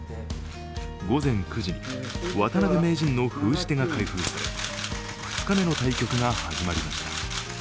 午前９時に渡辺名人の封じ手が開封され２日目の対局が始まりました。